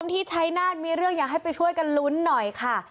ที่ชัยนาธมีเรื่องอยากให้ไปช่วยกันลุ้นหน่อยค่ะ